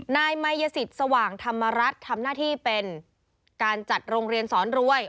นายมายสิทธิ์สว่างธรรมรัฐทำหน้าที่เป็นการจัดโรงเรียนสอนรวย